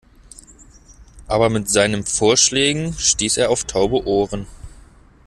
Aber mit seinen Vorschlägen stieß er auf taube Ohren.